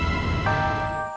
tali tali akan terjadi